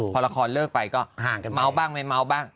พอละครเลิกไปก็เมาบ้างไม่เมาบ้าง